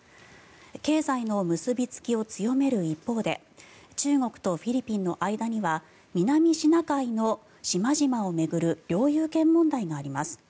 経済の結びつきを強める一方で中国とフィリピンの間には南シナ海の島々を巡る領有権問題があります。